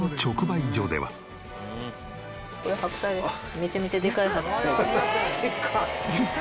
めちゃめちゃでかい白菜です。